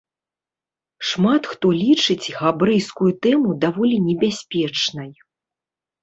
Шмат хто лічыць габрэйскую тэму даволі небяспечнай.